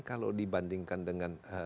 kalau dibandingkan dengan